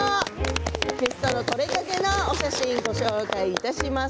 ゲスト撮れたてのお写真をご紹介します。